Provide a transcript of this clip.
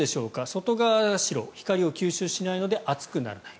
外側が白、光を吸収しないので熱くならない。